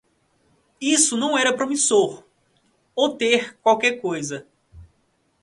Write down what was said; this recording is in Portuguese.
Isso não era promissor ou ter qualquer coisa.